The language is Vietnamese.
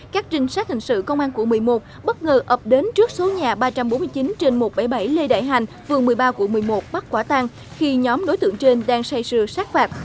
các trinh sát hình sự công an quận một mươi một bất ngờ ập đến trước số nhà ba trăm bốn mươi chín trên một trăm bảy mươi bảy lê đại hành phường một mươi ba quận một mươi một bắt quả tang khi nhóm đối tượng trên đang say sưa sát phạt